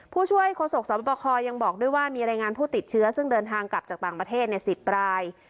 ผู้ช่วยโฆษกสวบคยังบอกด้วยว่ามีรายงานผู้ติดเชื้อซึ่งเดินทางกลับจากต่างประเทศ๑๐ราย